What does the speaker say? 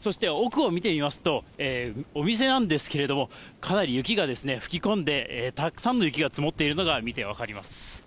そして奥を見てみますと、お店なんですけど、かなり雪が吹き込んで、たくさんの雪が積もっているのが見て分かります。